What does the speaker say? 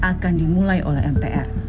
akan dimulai oleh mpr